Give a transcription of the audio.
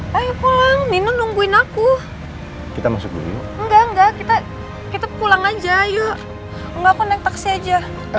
hai ayo pulang nino nungguin aku kita masuk dulu enggak enggak kita kita pulang aja yuk enggak konek taksi aja